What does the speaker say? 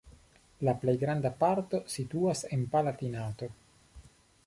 La plej granda parto situas en Palatinato.